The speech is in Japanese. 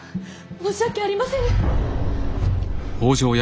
申し訳ありませぬ。